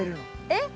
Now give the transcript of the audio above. えっ！